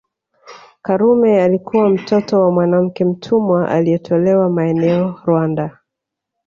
Karume alikuwa mtoto wa mwanamke mtumwa alietolewa maeneo Rwanda